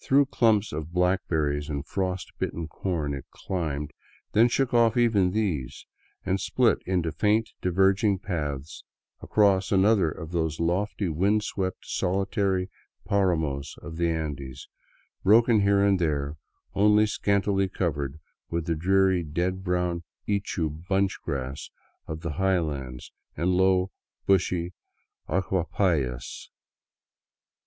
Through clumps of black berries and frost bitten corn it climbed, then shook off even these, and split into faint, diverging paths across another of those lofty, wind swept, solitary paramos of the Andes, broken here and there, only scantily covered with the dreary dead brown ichu bunch grass of the highlands, and low, bushy achupallas.